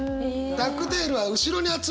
ダックテールは後ろに集めるけれど。